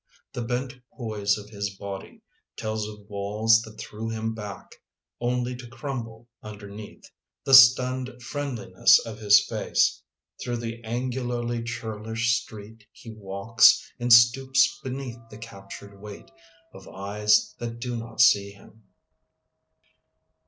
llie bent poise of his body Telia of walls that threw him back. Only to crumble underneath The stunned friraidliness of his face. Throng the angularly cJmrlish street He walks, and stoops beneath the captured weight Of eyes that do not see him.